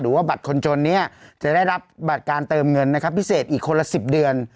ว่าบัตรคนจนเนี่ยจะได้รับบัตรการเติมเงินนะครับพิเศษอีกคนละ๑๐เดือน